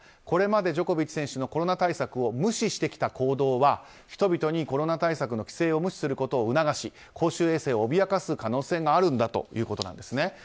これまでジョコビッチ選手のコロナ対策を無視してきた行動は人々にコロナ対策の規制を無視することを促し公衆衛生を脅かす可能性があるんだということですね。